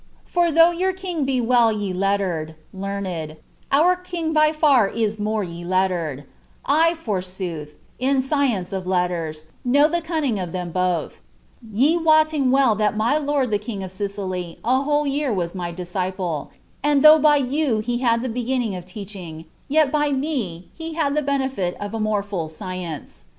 For though your king' be well y lM> tered, (learned,) our king by far is more y letlered, I, forsooth, in science of letters, know the cunning of them both, ye wotting well thai tny lord the king of Sicily a whole year was my disciple, and ttam^ by you he bad the beginning of teaching, yet by me he had ilie ben^ of more fiill science.'